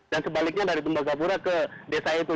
dan sebaliknya dari tembagapura ke desa itu